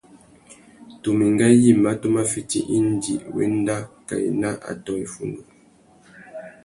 Tu mà enga yïmá tu má fiti indi wá enda kā ena atõh iffundu.